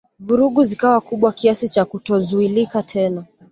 Vurugu zikawa kubwa kiasi cha kutozuilika tena